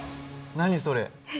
何それ？